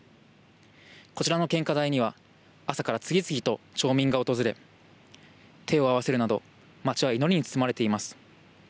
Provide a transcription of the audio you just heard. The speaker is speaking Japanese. こちらの献花台には朝から次々と町民が訪れ手を合わせるなど町は祈りに包まれています。